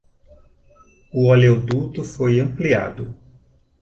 O oleoduto foi ampliado